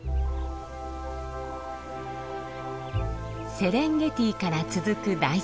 セレンゲティから続く大草原。